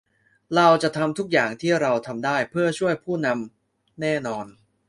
เราจะทำทุกอย่างที่เราทำได้เพื่อช่วยผู้นำแน่นอน